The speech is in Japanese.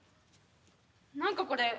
何かこれ。